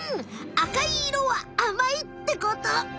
赤いいろはあまいってこと。